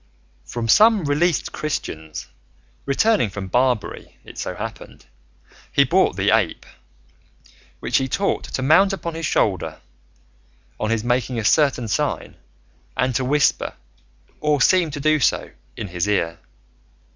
From some released Christians returning from Barbary, it so happened, he bought the ape, which he taught to mount upon his shoulder on his making a certain sign, and to whisper, or seem to do so, in his ear.